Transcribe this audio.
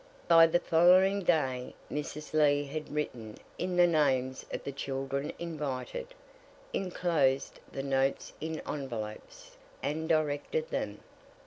By the following day Mrs. Lee had written in the names of the children invited, enclosed the notes in envelopes, and directed them.